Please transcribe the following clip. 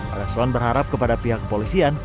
pak gason berharap kepada pihak kepolisian